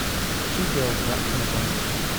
Two girls wrapped in a blanket.